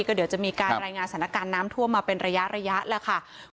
ก็เดี๋ยวจะมีการรายงานสถานการณ์น้ำท่วมมาเป็นระยะแล้วค่ะ